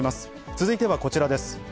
続いてはこちらです。